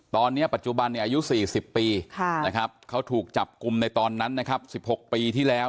ตอนนี้ปัจจุบันอายุ๔๐ปีเขาถูกจับกลุ่มในตอนนั้นนะครับ๑๖ปีที่แล้ว